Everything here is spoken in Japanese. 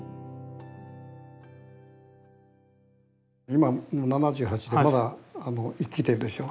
今７８でまだ生きてるでしょ。